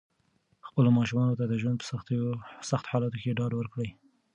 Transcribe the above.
خپلو ماشومانو ته د ژوند په سختو حالاتو کې ډاډ ورکړئ.